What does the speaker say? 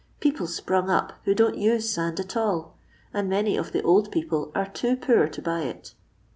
People 's sprung up who don't use UD^ at all ; and many of the old people are too poor to buy It.